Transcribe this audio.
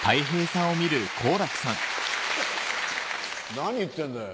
何言ってんだよ